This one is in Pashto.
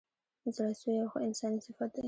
زړه سوی یو ښه انساني صفت دی.